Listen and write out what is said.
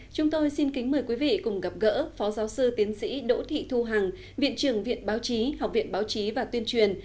chúng tôi xin kính mời quý vị cùng gặp gỡ phó giáo sư tiến sĩ đỗ thị thu hằng viện trưởng viện báo chí học viện báo chí và tuyên truyền